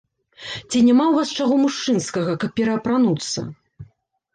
Ці няма ў вас чаго мужчынскага, каб пераапрануцца?